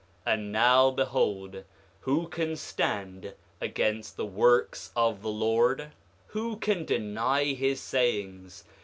9:26 And now, behold, who can stand against the works of the Lord? Who can deny his sayings?